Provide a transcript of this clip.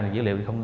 dữ liệu không